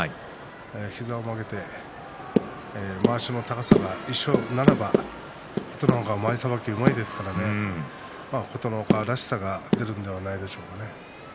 膝を曲げてまわしの高さが一緒ならば琴ノ若は前さばきがうまいですからね琴ノ若らしさが出るんではないでしょうか。